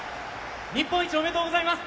日本一、おめでとうございます！